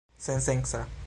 sensenca